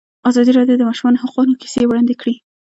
ازادي راډیو د د ماشومانو حقونه کیسې وړاندې کړي.